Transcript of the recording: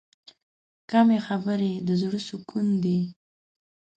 کمې خبرې، د زړه سکون دی.